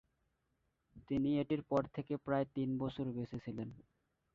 তিনি এটির পর থেকে প্রায় তিন বছর বেঁচে ছিলেন।